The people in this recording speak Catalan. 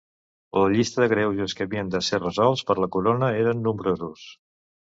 La llista de greuges que havien de ser resolts per la corona eren nombrosos.